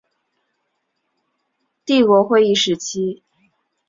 帝国议会时期。